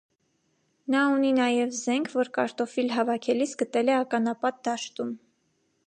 Նա ունի նաև զենք, որ կարտոֆիլ հավաքելիս գտել է ականապատ դաշտում։